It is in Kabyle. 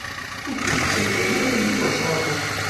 Ur ken-ittaǧǧa ara Yuba ad tṛuḥem.